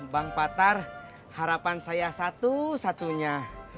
bang patar harapan saya satu satunya